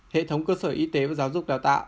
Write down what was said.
hệ thống cơ sở y tế và giáo dục đào tạo